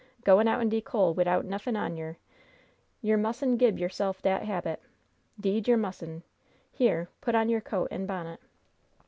Goin' out in de cole widout nuffin on yer! Yer musn' gib yerse'f dat habit. 'Deed yer musn'. Here, put on yer coat an' bonnet."